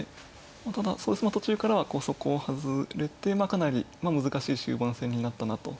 ただ途中からはそこを外れてまあかなり難しい終盤戦になったなと感じていました。